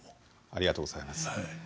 ありがとうございます。